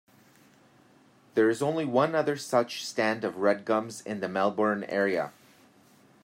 There is only one other such stand of Redgums in the Melbourne area.